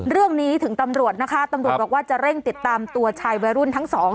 เรื่องนี้ถึงตำรวจนะคะตำรวจบอกว่าจะเร่งติดตามตัวชายวัยรุ่นทั้งสอง